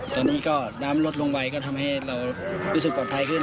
ตอนนี้ก็น้ำลดลงไปก็ทำให้เรารู้สึกปลอดภัยขึ้น